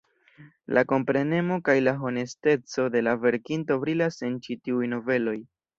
La komprenemo kaj la honesteco de la verkinto brilas en ĉi tiuj noveloj.